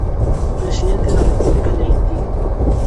Presidente da república de Haití.